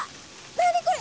何これ！？